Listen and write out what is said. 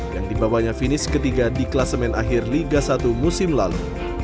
yang dibawanya finish ketiga di kelasemen akhir liga satu musim lalu